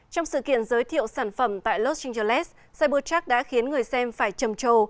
trong sự kiện giới thiệu sản phẩm tại los angeles cybertrack đã khiến người xem phải trầm trồ